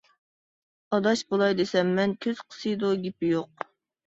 ئاداش بۇلاي دېسەم مەن، كۆز قىسىدۇ گېپى يوق.